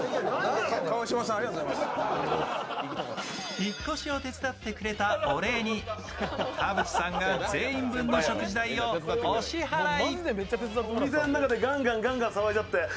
引っ越しを手伝ってくれたお礼に田渕さんが全員分の食事代をお支払い。